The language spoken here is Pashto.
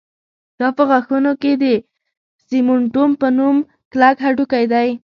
دا په غاښونو کې د سېمنټوم په نوم کلک هډوکی دی